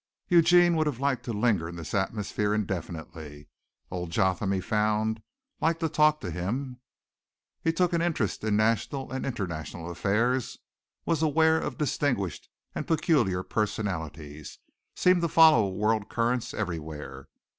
Eugene would have liked to linger in this atmosphere indefinitely. Old Jotham, he found, liked to talk to him. He took an interest in national and international affairs, was aware of distinguished and peculiar personalities, seemed to follow world currents everywhere.